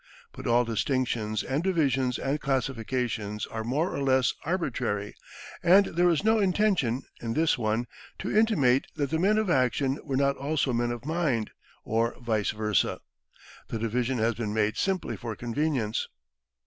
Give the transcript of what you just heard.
But all distinctions and divisions and classifications are more or less arbitrary; and there is no intention, in this one, to intimate that the "men of action" were not also "men of mind," or vice versa. The division has been made simply for convenience.